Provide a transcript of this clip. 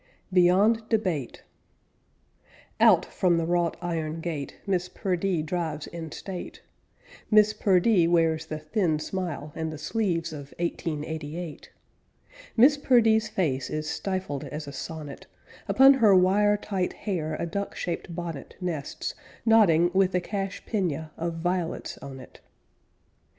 BEYOND DEBATE Out from the wrought iron gate Miss Perdee drives in state; Miss Perdee wears the thin smile And the sleeves of 1888. Miss Perdee's face is stifled as a sonnet; Upon her wire tight hair a duck shaped bonnet Nests, nodding with a cachepeigne Of violets on it.